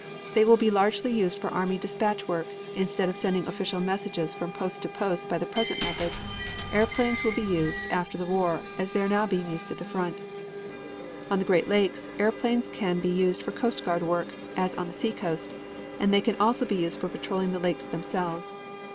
They will be largely used for army dispatch work. Instead of sending official messages from post to post by the present methods, airplanes will be used after the war as they are now being used at the front. On the Great Lakes, airplanes can be used for coast guard work, as on the seacoast, and they can also be used for patrolling the lakes themselves.